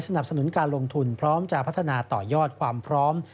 สนับสนุนการลงทุนพร้อมจะพัฒนาต่อยอดความพร้อม